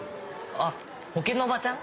あっ保険のおばちゃん？